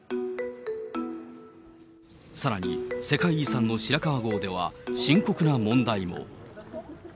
さらに、世界遺産の白川郷では、深刻な問題も。